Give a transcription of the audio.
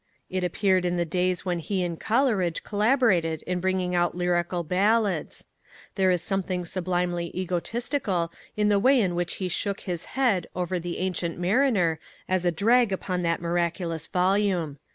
It appeared in the days when he and Coleridge collaborated in bringing out Lyrical Ballads. There is something sublimely egotistical in the way in which he shook his head over The Ancient Mariner as a drag upon that miraculous volume.